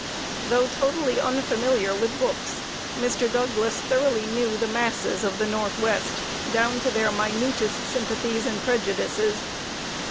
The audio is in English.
Though totally unfamiliar with books, Mr. Douglas thoroughly knew the masses of the Northwest, down to their minutest sympathies and prejudices.